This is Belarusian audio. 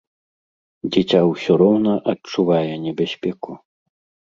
Дзіця ўсё роўна адчувае небяспеку.